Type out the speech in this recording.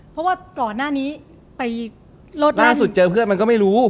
เพราะว่าก่อนหน้านี้ไปล่าสุดเจอเพื่อนมันก็ไม่รู้